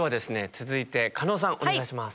続いて加納さんお願いします。